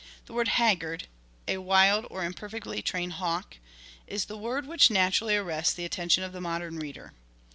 The word " haggard," a wild or imperfectly trained hawk, is the word which naturally arrests the attention of the modern reader.